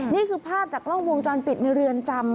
นี่คือภาพจากกล้องวงจรปิดในเรือนจำ